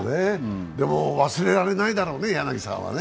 でも忘れられないだろうね、柳さんはね。